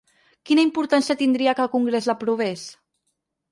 Quina importància tindria que el congrés l’aprovés?